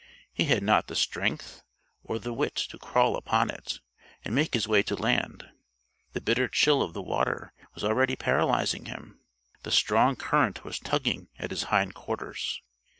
He had not the strength or the wit to crawl upon it and make his way to land. The bitter chill of the water was already paralyzing him. The strong current was tugging at his hindquarters.